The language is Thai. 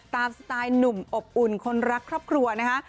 สไตล์หนุ่มอบอุ่นคนรักครอบครัวนะคะ